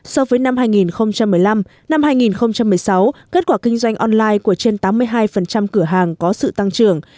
so với năm hai nghìn một mươi năm năm hai nghìn một mươi sáu kết quả kinh doanh online của trên tám mươi hai cửa hàng có sự tăng trưởng